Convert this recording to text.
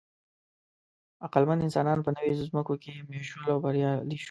عقلمن انسانان په نوې ځمکو کې مېشت شول او بریالي شول.